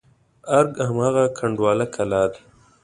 ارګ هماغه کنډواله کلا ده.